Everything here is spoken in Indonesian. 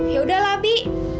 yaudah lah bi